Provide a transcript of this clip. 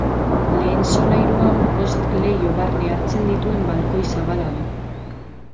Lehen solairuan bost leiho barne hartzen dituen balkoi zabala du.